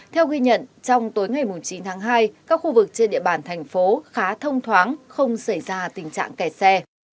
theo ghi nhận trong tối ngày chín tháng hai các khu vực trên địa bàn thành phố khá thông thoáng không xảy ra tình trạng kẹt xe